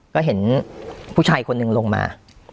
ก็เห็นผู้ชายคนหนึ่งลงมา